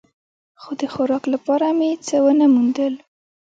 خو د خوراک لپاره مې څه و نه موندل.